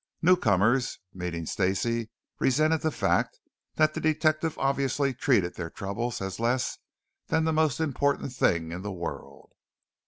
Newcomers meeting Stacey resented the fact that the detective obviously treated their troubles as less than the most important thing in the world.